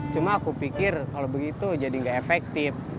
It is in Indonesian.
cuma aku pikir kalau begitu jadi nggak efektif